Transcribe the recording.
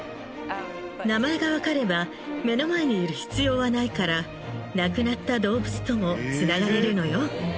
名前が分かれば目の前にいる必要はないから亡くなった動物ともつながれるのよ。